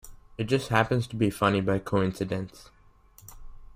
It just happens to be funny by coincidence.